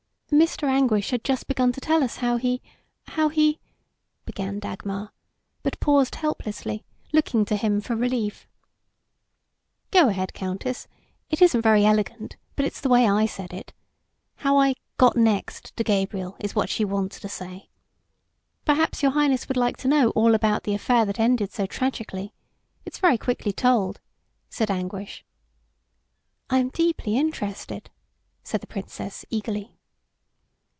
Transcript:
"Mr. Anguish had just begun to tell us how he how he " began Dagmar, but paused helplessly, looking to him for relief. "Go ahead, Countess; it isn't very elegant, but it's the way I said it. How I 'got next' to Gabriel is what she wants to say. Perhaps your Highness would like to know all about the affair that ended so tragically. It's very quickly told," said Anguish. "I am deeply interested," said the Princess, eagerly.